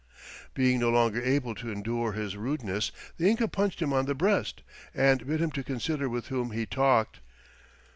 Being no longer able to endure his rudeness, the Inca punched him on the breast, and bid him to consider with whom he talked.